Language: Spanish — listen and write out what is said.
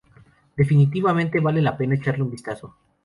Definitivamente vale la pena echarle un vistazo".